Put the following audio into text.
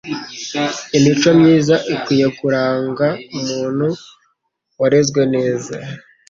Imico myiza ikwiye kuranga umuntu warezwe neza